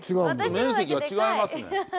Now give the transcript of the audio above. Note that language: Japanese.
面積が違いますね。